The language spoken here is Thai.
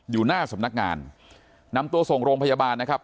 อยู่หน้าสำนักงานนำตัวส่งโรงพยาบาลนะครับ